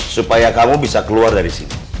supaya kamu bisa keluar dari sini